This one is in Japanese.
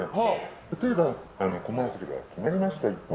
例えばコマーシャルが決まりました、１本。